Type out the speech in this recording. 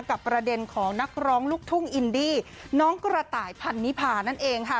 ประเด็นของนักร้องลูกทุ่งอินดี้น้องกระต่ายพันนิพานั่นเองค่ะ